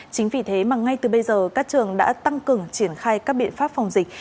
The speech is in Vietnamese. chính vì thế mà ngay từ bây giờ các trường đã tăng cường triển khai các biện pháp phòng dịch